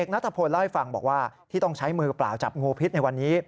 นัทพลเล่าให้ฟังบอกว่าที่ต้องใช้มือเปล่าจับงูพิษในวันนี้